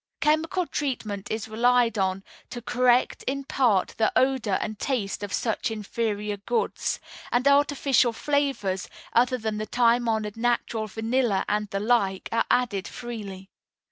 Chemical treatment is relied on to correct in part the odor and taste of such inferior goods, and artificial flavors, other than the time honored natural vanilla and the like, are added freely.